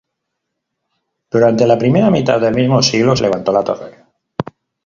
Durante la primera mitad del mismo siglo se levantó la torre.